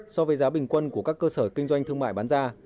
so với giá bình quân của các cơ sở kinh doanh thương mại bán ra